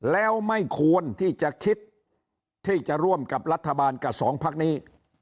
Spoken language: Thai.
แล้วไม่ควรที่จะคิดที่จะร่วมกับรัฐบาลกับสองพักนี้